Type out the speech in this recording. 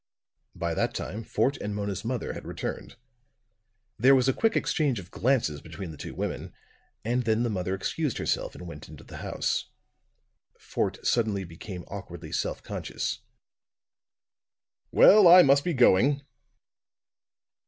By that time Fort and Mona's mother had returned. There was a quick exchange of glances between the two women, and then the mother excused herself and went in the house. Fort suddenly became awkwardly self conscious. "Well, I must be going."